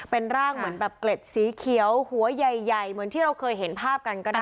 เป็นร่างเหมือนแบบเกล็ดสีเขียวหัวใหญ่เหมือนที่เราเคยเห็นภาพกันก็ได้